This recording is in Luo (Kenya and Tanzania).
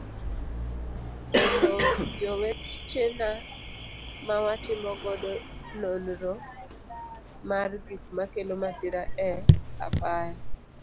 Elo jowetena ma watimo godo nonro mar gik makelo masira e apaya.